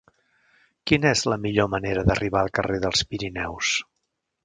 Quina és la millor manera d'arribar al carrer dels Pirineus?